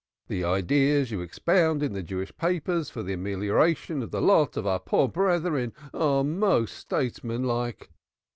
The ideas you expound in the Jewish papers for the amelioration of the lot of our poor brethren are most statesmanlike.